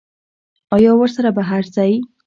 ایا ورسره بهر ځئ؟